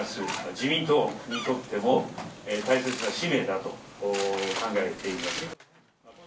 自民党にとっても大切な使命だと考えています。